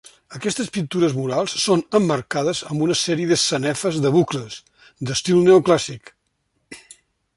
Aquestes pintures murals són emmarcades amb una sèrie de sanefes de bucles, d'estil neoclàssic.